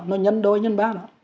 nó nhân đôi nhân ba đó